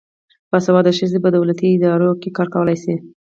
باسواده ښځې په دولتي ادارو کې کار کولای شي.